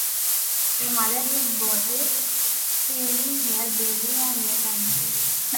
A mother is bottle-feeding her baby on a train.